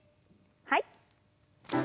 はい。